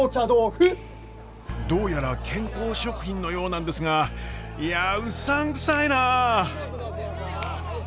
どうやら健康食品のようなんですがいやうさんくさいなあ。